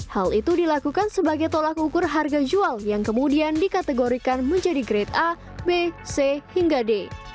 hal itu dilakukan sebagai tolak ukur harga jual yang kemudian dikategorikan menjadi grade a b c hingga d